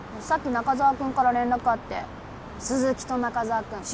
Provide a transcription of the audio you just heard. さっき中沢君から連絡あって鈴木と中沢君